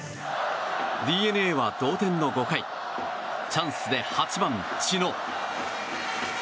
ＤｅＮＡは同点の５回チャンスで８番、知野。